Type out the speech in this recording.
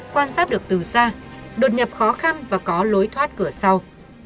quan sát được từ xa đột nhập khó khăn và có lối thoát cửa sau